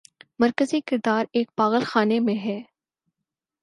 مرکزی کردار ایک پاگل خانے میں ہے۔